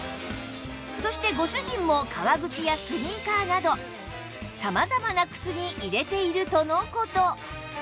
そしてご主人も革靴やスニーカーなど様々な靴に入れているとの事